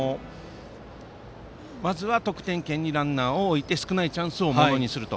まずは得点圏にランナーを置いて少ないチャンスをものにすると。